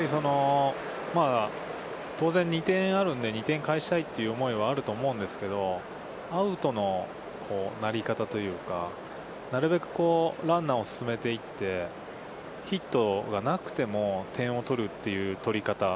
当然２点あるので２点返したいという思いはあると思うんですけど、アウトのなり方というか、なるべくランナーを進めていって、ヒットがなくても点を取るという取り方。